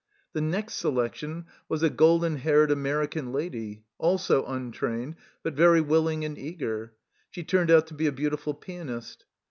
The next selection was a golden haired American lady, also untrained, but very willing and eager; she turned out to be a beautiful pianist.